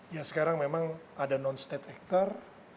ya sekarang memang ada non state actor